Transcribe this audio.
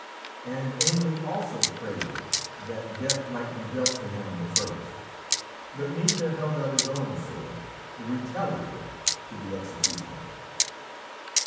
And Ainle also craved that death might be dealt to him the first. But Naoise held out his own sword, "The Retaliator," to the executioner.